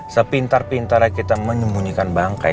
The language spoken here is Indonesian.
sepintar pintarnya kita menyembunyikan bangkai